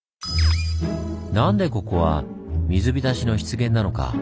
なんでここは水浸しの湿原なのか？